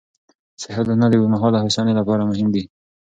صحي عادتونه د اوږدمهاله هوساینې لپاره مهم دي.